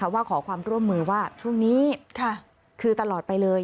ว่าขอความร่วมมือว่าช่วงนี้คือตลอดไปเลย